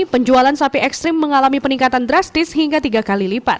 penjualan sapi ekstrim mengalami peningkatan drastis hingga tiga kali lipat